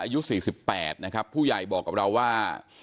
ยุคสี่สิบแปดนะครับผู้ใหญ่บอกกับเราว่า